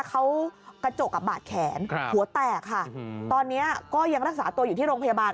เขากระจกบาดแขนหัวแตกค่ะตอนนี้ก็ยังรักษาตัวอยู่ที่โรงพยาบาล